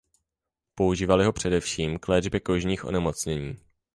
Používali ho především k léčbě kožních onemocnění.